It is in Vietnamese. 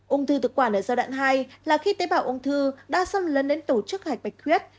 ung thư thực quản giai đoạn hai là khi tế bảo ung thư đã xâm lấn đến tổ chức hạch bạch khuyết